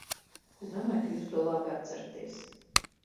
Es domāju, ka jūs to labi atceraties.